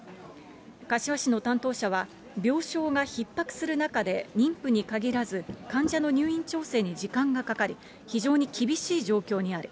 柏市の担当者は、病床がひっ迫する中で、妊婦に限らず、患者の入院調整に時間がかかり、非常に厳しい状況にある。